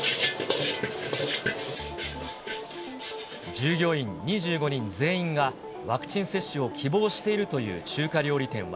従業員２５人全員が、ワクチン接種を希望しているという中華料理店は。